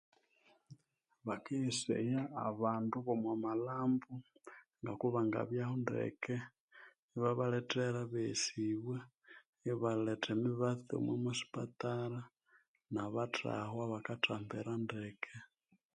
Bakaghesaya abandu bomwomalhambi kubangabyahu ndeke ababalethera obweghesibwa nabathahwa abakathambira